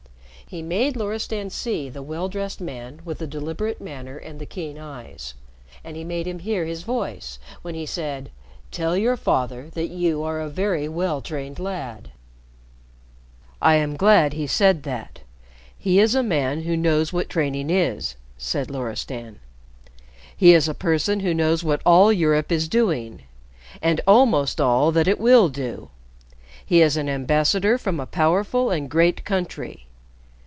He made Loristan see the well dressed man with the deliberate manner and the keen eyes, and he made him hear his voice when he said, "Tell your father that you are a very well trained lad." "I am glad he said that. He is a man who knows what training is," said Loristan. "He is a person who knows what all Europe is doing, and almost all that it will do. He is an ambassador from a powerful and great country.